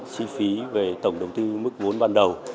chi phí về tổng đầu tư mức vốn ban đầu